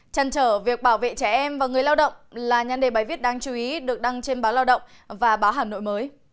chăn trở việc bảo vệ trẻ em và người lao động là nhân đề bài viết đáng chú ý được đăng trên báo lao động và báo hà nội mới